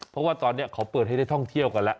เพราะว่าตอนนี้เขาเปิดให้ได้ท่องเที่ยวกันแล้ว